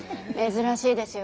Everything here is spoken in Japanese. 珍しいですよねえ。